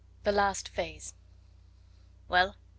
THE LAST PHASE "Well?